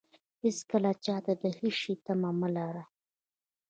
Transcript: هېڅکله چاته د هېڅ شي تمه مه لرئ.